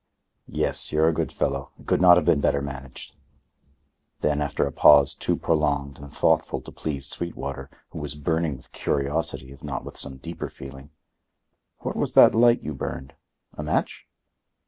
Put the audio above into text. "Yes. You're a good fellow. It could not have been better managed." Then, after a pause too prolonged and thoughtful to please Sweetwater, who was burning with curiosity if not with some deeper feeling: "What was that light you burned? A match?"